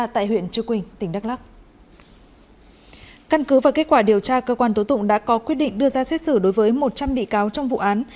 căn cứ và kết quả điều tra cơ quan tố tụng đã có quyết định đưa ra xét xử đối với một trăm linh bị cáo trong vụ án